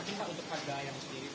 untuk ayam pak ya